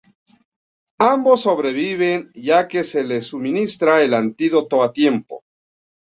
Ambos sobreviven, ya que se les suministra el antídoto a tiempo.